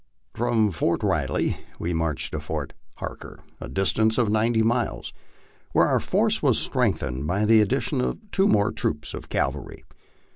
From Fort Riley we marched to Fort Harker, a distance of ninety miles, where our force was strengthened by the addition of two more troops of caval ry.